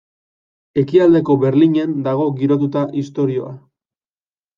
Ekialdeko Berlinen dago girotuta istorioa.